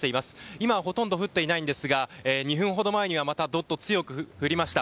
今、ほとんど降っていませんが２分ほど前にはまた、どっと強く降りました。